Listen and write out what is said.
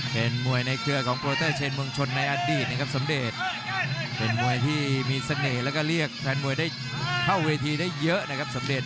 เป็นมวยในเครือของโปรเตอร์เชนเมืองชนในอดีตนะครับสมเดชเป็นมวยที่มีเสน่ห์แล้วก็เรียกแฟนมวยได้เข้าเวทีได้เยอะนะครับสมเด็จ